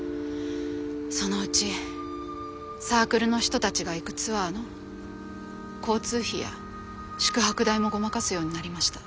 そのうちサークルの人たちが行くツアーの交通費や宿泊代もごまかすようになりました。